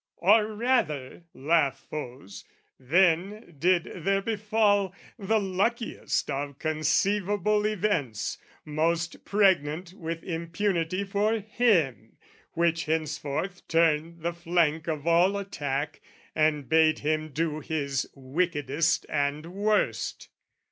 "Or rather," laugh foes, "then did there befall "The luckiest of conceivable events, "Most pregnant with impunity for him, "Which henceforth turned the flank of all attack, "And bade him do his wickedest and worst."